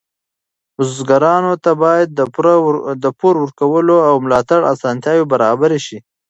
بزګرانو ته باید د پور ورکولو او ملاتړ اسانتیاوې برابرې شي.